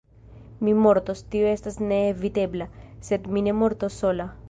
Mi mortos; tio estas neevitebla: sed mi ne mortos sola.